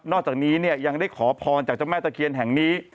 นอกจากนี้ยังได้ขอพรจากจักรแม่ตะเขียนแห่งนี้